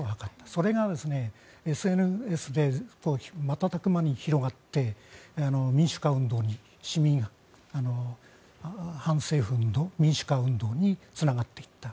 それがＳＮＳで瞬く間に広がってそれが反政府の民主化運動につながっていった。